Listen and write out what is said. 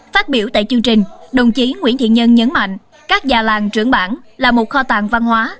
phát biểu tại chương trình đồng chí nguyễn thiện nhân nhấn mạnh các già làng trưởng bản là một kho tàng văn hóa